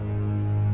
tidak ada apa apa